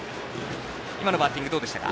今のバッティングどうでしたか？